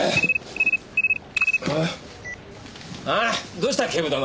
どうした警部殿。